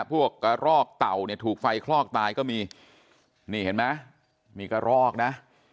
พวกกระรอกเต่าเนี่ยถูกไฟคลอกตายก็มีนี่เห็นไหมมีกระรอกนะ